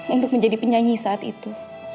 untuk menjadi penyanyi saat itu